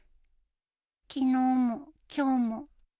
昨日も今日も。